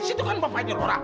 situ kan bapaknya laura